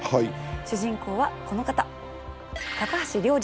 主人公はこの方。